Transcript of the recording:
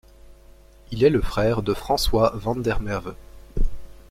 Il est le frère de François van der Merwe.